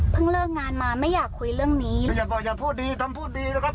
เลิกงานมาไม่อยากคุยเรื่องนี้ไม่อยากบอกอยากพูดดีทำพูดดีนะครับ